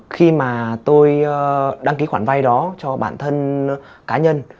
khi mà tôi đăng ký khoản vay đó cho bản thân cá nhân